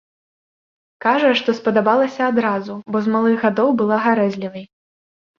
Кажа, што спадабалася адразу, бо з малых гадоў была гарэзлівай.